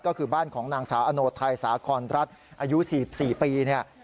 ก็คือบ้านของนางสาวอโนไทยสาคอนรัฐอายุ๔๔ปีเนี่ย